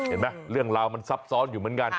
เห็นไหมเรื่องราวมันซับซ้อนอยู่เหมือนกัน